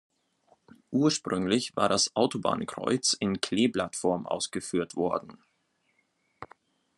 Ursprünglich war das Autobahnkreuz in Kleeblattform ausgeführt worden.